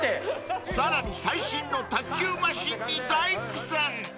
［さらに最新の卓球マシンに大苦戦］